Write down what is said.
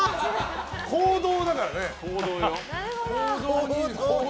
行動だからね。